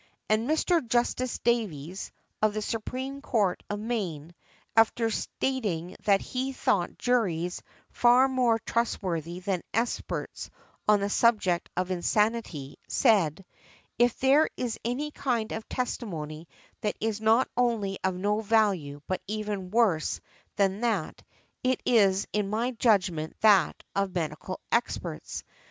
And Mr. Justice Davis, of the Supreme Court of Maine, after stating that he thought juries far more trust worthy than experts on the subject of insanity, said, "if there is any kind of testimony that is not only of no value but |123| even worse than that, it is in my judgment that of medical experts.